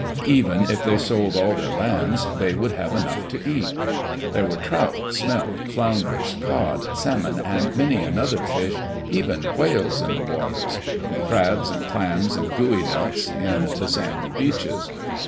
Even if they sold all their lands, they would have enough to eat. There were trout, smelt, flounders, cod, salmon, and many another fish, even whales, in the waters ; and crabs and clams and goey ducks in the sandy beaches.